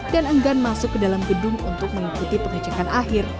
dan enggan masuk ke dalam gedung untuk mengikuti pengecekan akhir